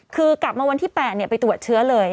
คือกลับมาวันที่๘ไปตรวจเชื้อเลย